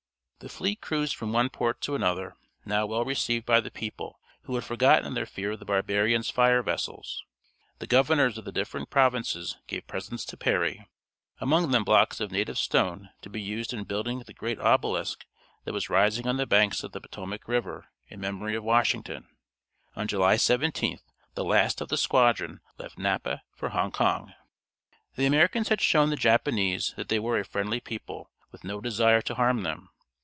The fleet cruised from one port to another, now well received by the people, who had forgotten their fear of the barbarians' fire vessels. The governors of the different provinces gave presents to Perry, among them blocks of native stone to be used in building the great obelisk that was rising on the banks of the Potomac River in memory of Washington. On July 17th the last of the squadron left Napa for Hong Kong. The Americans had shown the Japanese that they were a friendly people, with no desire to harm them.